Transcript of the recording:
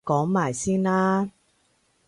講埋先啦